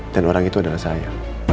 dan orang itu adalah saya